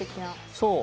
そう。